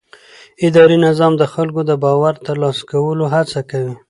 اداري نظام د خلکو د باور د ترلاسه کولو هڅه کوي.